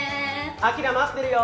明待ってるよ。